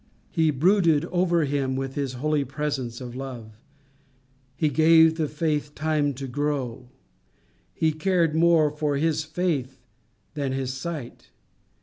He brooded over him with his holy presence of love. He gave the faith time to grow. He cared more for his faith than his sight.